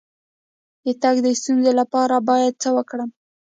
د تګ د ستونزې لپاره باید څه وکړم؟